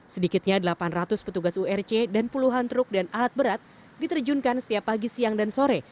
sedikitnya delapan ratus petugas urc dan puluhan truk dan alat berat diterjunkan setiap pagi siang dan sore